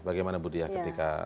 bagaimana bu diah ketika